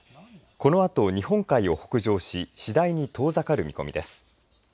このあと日本海を北上し次第に遠ざかる見込みです。